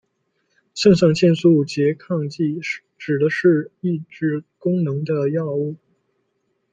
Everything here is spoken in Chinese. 肾上腺素拮抗剂指的是抑制功能的药物。